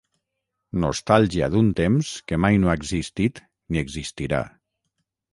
Nostàlgia d'un temps que mai no ha existit ni existirà.